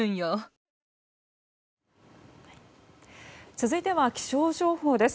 続いては気象情報です。